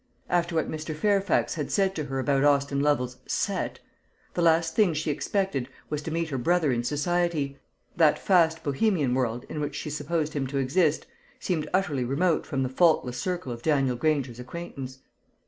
After what Mr. Fairfax had said to her about Austin Lovel's "set," the last thing she expected was to meet her brother in society that fast Bohemian world in which she supposed him to exist, seemed utterly remote from the faultless circle of Daniel Granger's acquaintance.